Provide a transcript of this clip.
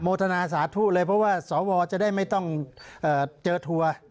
ทนาสาธุเลยเพราะว่าสวจะได้ไม่ต้องเจอทัวร์